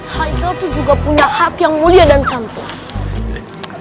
haikal tuh juga punya hati yang mulia dan cantik